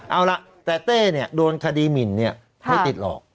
เอาละแต่เต้นี่โดนทดิมิลไม่ติดหรอก